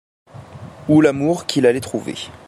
Ou l'amour qu'il allait trouver.